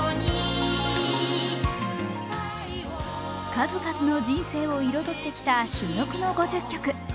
数々の人生を彩ってきた珠玉の５０曲。